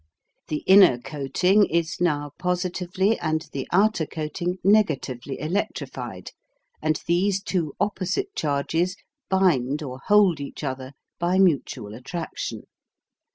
The inner coating is now positively and the outer coating negatively electrified, and these two opposite charges bind or hold each other by mutual attraction.